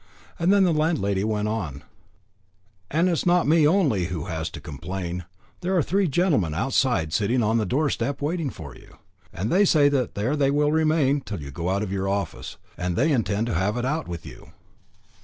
Then the landlady went on: "And it's not me only as has to complain. There are three gentlemen outside, sitting on the doorstep, awaiting of you. And they say that there they will remain, till you go out to your office. And they intend to have it out with you."